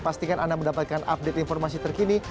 pastikan anda mendapatkan update informasi terkini